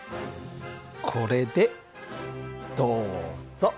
これでどうぞ。